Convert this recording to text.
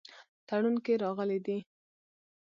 تړون کې راغلي دي.